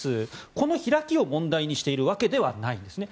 この開きを問題にしているわけではないんですね。